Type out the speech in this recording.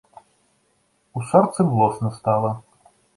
У сэрцы млосна стала.